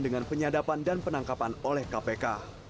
dengan penyadapan dan penangkapan oleh kpk